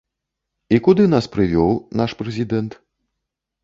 І куды нас прывёў наш прэзідэнт?